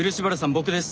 僕です